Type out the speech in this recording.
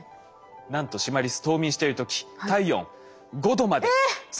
なんとシマリス冬眠してる時体温５℃まで下げるんです。